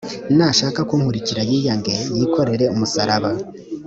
nashaka kunkurikira yiyange yikorere umusaraba